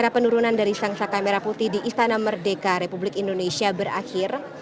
penurunan dari sang saka merah putih di istana merdeka republik indonesia berakhir